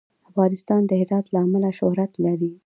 افغانستان د هرات له امله شهرت لري.